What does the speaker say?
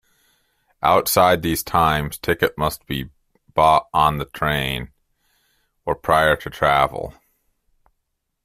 Outside these times, ticket must be bought on the train or prior to travel.